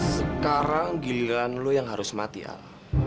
sekarang giliran lo yang harus mati al